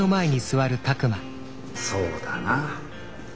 そうだな。